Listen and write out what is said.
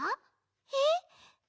えっ？